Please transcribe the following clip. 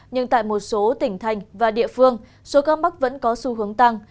nhưng tại một số tỉnh thành và địa phương số ca mắc vẫn có xu hướng tăng